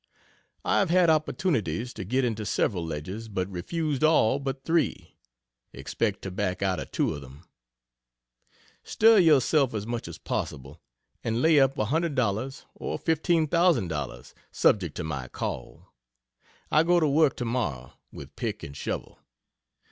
I have had opportunities to get into several ledges, but refused all but three expect to back out of two of them. Stir yourself as much as possible, and lay up $100 or $15,000, subject to my call. I go to work to morrow, with pick and shovel.